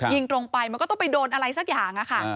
ยิงตรงไปมันก็ต้องไปโดนอะไรสักอย่างค่ะ